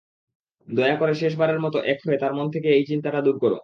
দয়া করে শেষবারের মতো এক হয়ে তার মন থেকে এই চিন্তাটা দূর কোরো।